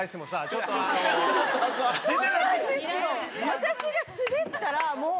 私が滑ったらもう。